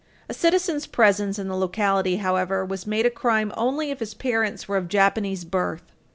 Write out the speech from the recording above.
A citizen's presence in the locality, however, was made a crime only if his parents were of Japanese birth.